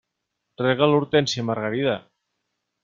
Rega l'hortènsia, Margarida.